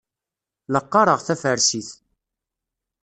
La qqareɣ tafarsit.